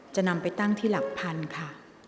จะนำไปตั้งที่หลักพันธุ์ค่ะ